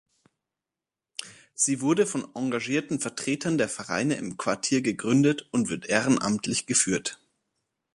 Sie wurde von engagierten Vertretern der Vereine im Quartier gegründet und wird ehrenamtlich geführt.